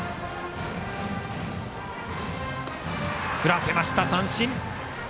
振らせました、三振！